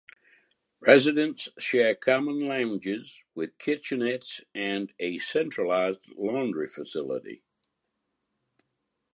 Residents share common lounges with kitchenettes and a centralized laundry facility.